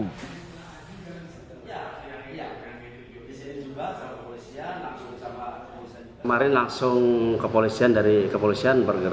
kemarin langsung kepolisian dari kepolisian